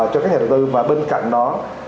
cho các nhà đầu tư và bên cạnh đó